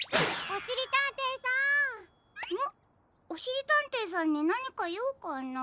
おしりたんていさんになにかようかな？